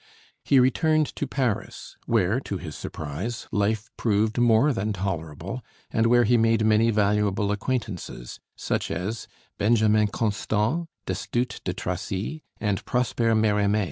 He returned to Paris, where to his surprise life proved more than tolerable, and where he made many valuable acquaintances, such as Benjamin Constant, Destutt de Tracy, and Prosper Mérimée.